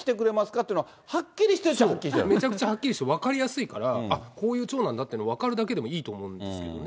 っていうのは、はっきりしてるといえばめちゃくちゃはっきりして分かりやすいから、あっ、こういう町なんだっていうの、分かるだけでもいいと思うんですよね。